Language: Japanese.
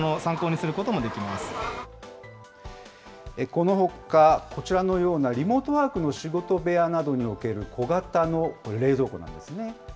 このほか、こちらのようなリモートワークの仕事部屋などに置ける小型の冷蔵庫なんですね。